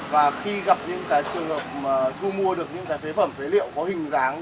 và khi gặp những trường hợp thu mua được những phế phẩm phế liệu có hình dáng